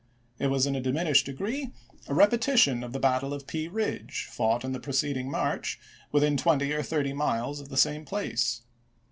It was in a diminished degree a repetition of the battle of Pea Ridge, fought in the preceding March within twenty or thirty miles of the same place.